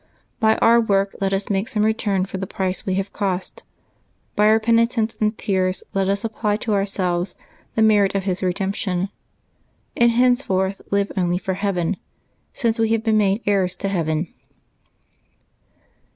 By our works let us make some return for the price we have cost ; by our penitence and tears let us apply to ourselves the merit of His redemption, and henceforth live only for heaven, since we have been made heirs to heaven.